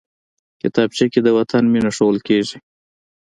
کتابچه کې د وطن مینه ښودل کېږي